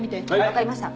わかりました。